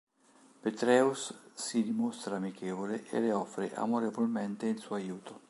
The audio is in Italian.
Petraeus si dimostra amichevole e le offre amorevolmente il suo aiuto.